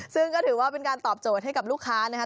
ซึ่งก็ถือว่าเป็นการตอบโจทย์ให้กับลูกค้านะครับ